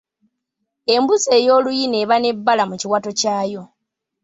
Embuzi ey'oluyina eba n'ebbala mu kiwato kyayo.